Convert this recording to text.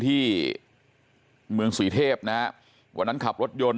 ทำให้สัมภาษณ์อะไรต่างนานไปออกรายการเยอะแยะไปหมด